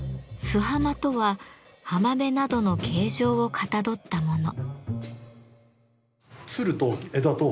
「洲浜」とは浜辺などの形状をかたどったもの。